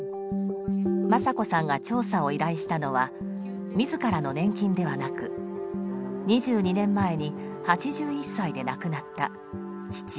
政子さんが調査を依頼したのは自らの年金ではなく２２年前に８１歳で亡くなった父・芳香さんのものです。